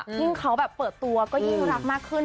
ยิ่งเขาแบบเปิดตัวก็ยิ่งรักมากขึ้น